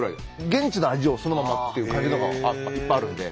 現地の味をそのままっていう感じのがいっぱいあるんで。